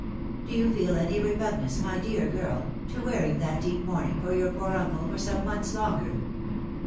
Do you feel any repugnance, my dear girl, to wearing that deep mourning for your poor uncle for some months longer